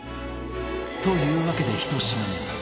というわけで、１品目。